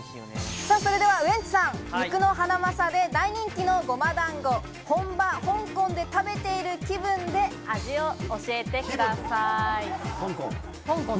ウエンツさん、肉のハナマサで大人気のごま団子、本場、香港で食べている気分で味を教えてください。